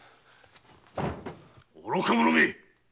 愚か者め！